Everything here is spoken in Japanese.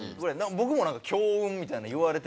僕もなんか強運みたいなの言われてて。